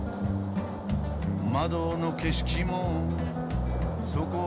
「窓の景色もそこそこに」